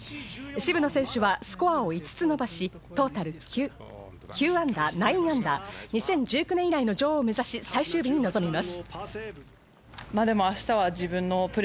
渋野選手はスコアを５つ伸ばし、トータル−９、２０１９年以来の女王へ最終日に臨みます。